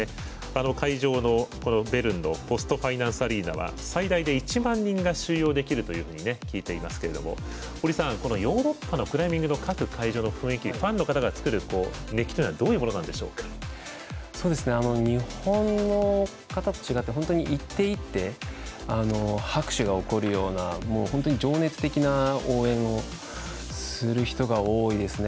会場のベルンのポストファイナンスアリーナは最大で１万人が収容できるというふうに聞いていますけれどもヨーロッパのクライミングの各会場の雰囲気ファンの方が作る熱気というのは日本の方と違って、一手一手拍手が起こるような情熱的な応援をする人が多いですね。